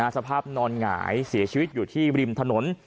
สภาพนอนหงายเสียชีวิตอยู่ที่ริมถนน